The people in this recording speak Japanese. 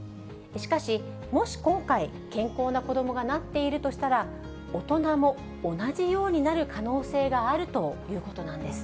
しかし、もし今回、健康な子どもがなっているとしたら、大人も同じようになる可能性があるということなんです。